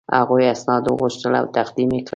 هغوی اسناد وغوښتل او تقدیم یې کړل.